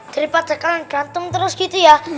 teri patah kalian berantem terus gitu ya